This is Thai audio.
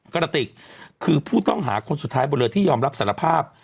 กระติกคือผู้ต้องหาคนสุดท้ายบนเรือที่ยอมรับสารภาพ